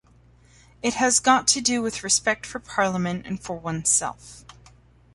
It has got to do with respect for parliament and for one self.